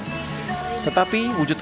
tetapi wujud kampung ini tidak terlalu berbeda